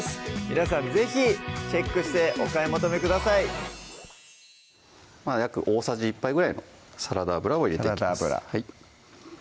皆さん是非チェックしてお買い求めください約大さじ１杯ぐらいのサラダ油を入れていきます